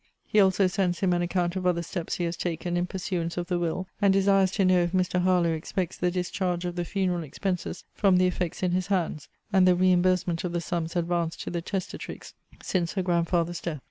He also sends him an account of other steps he has taken in pursuance of the will; and desires to know if Mr. Harlowe expects the discharge of the funeral expenses from the effects in his hands; and the re imbursement of the sums advanced to the testatrix since her grandfather's death.